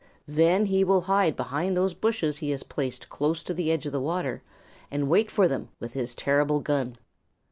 Then he will hide behind those bushes he has placed close to the edge of the water and wait for them with his terrible gun.